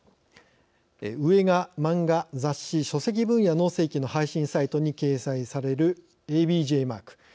上が漫画・雑誌・書籍分野の正規の配信サイトに掲載されるＡＢＪマーク。